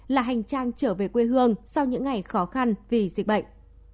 là hành trang trở về quê hương sau những ngày khó khăn vì dịch bệnh